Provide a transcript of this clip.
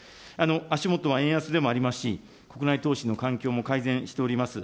足下は円安でもありますし、国内投資の環境も改善しております。